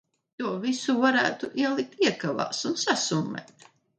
To visu varētu ielikt iekavās un sasummēt.